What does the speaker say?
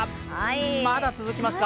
まだ続きますか？